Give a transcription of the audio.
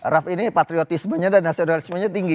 raff ini patriotismenya dan nasionalismenya tinggi